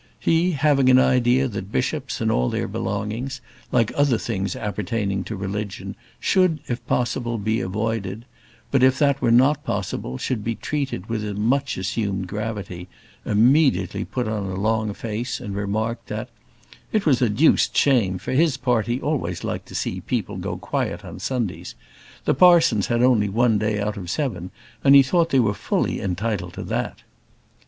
He having an idea that bishops and all their belongings, like other things appertaining to religion, should, if possible, be avoided; but if that were not possible, should be treated with much assumed gravity, immediately put on a long face, and remarked that "it was a deuced shame: for his part he always liked to see people go quiet on Sundays. The parsons had only one day out of seven, and he thought they were fully entitled to that."